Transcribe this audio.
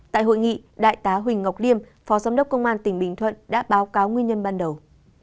tại hội nghị đại tá huỳnh ngọc liêm phó giám đốc công an tỉnh bình thuận đã báo cáo nguyên nhân ban đầu